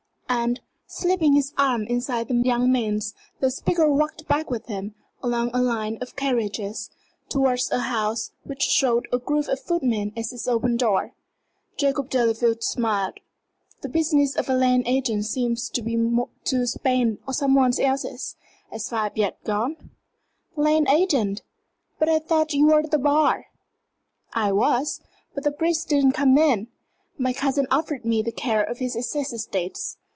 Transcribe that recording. And, slipping his arm inside the young man's, the speaker walked back with him, along a line of carriages, towards a house which showed a group of footmen at its open door. Jacob Delafield smiled. "The business of a land agent seems to be to spend some one else's as far as I've yet gone." "Land agent! I thought you were at the bar?" "I was, but the briefs didn't come in. My cousin offered me the care of his Essex estates.